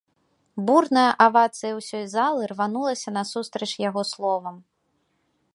Бурная авацыя ўсёй залы рванулася насустрач яго словам.